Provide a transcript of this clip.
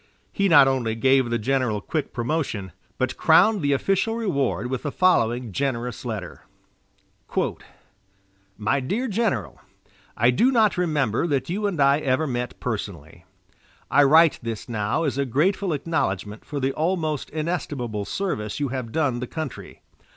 He not only gave the general quick promotion, but crowned the official reward with the following generous letter: "My Dear General: I do not remember that you and I ever met personally. I write this now as a grateful acknowledgment for the almost inestimable service you have done the country.